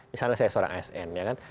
misalnya saya seorang asn ya kan